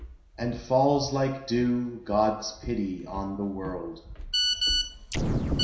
" And falls like dew God's pity on the world.